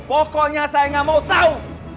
pokoknya saya gak mau tau